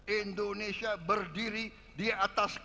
indonesia berdiri di atas kaki kita sendiri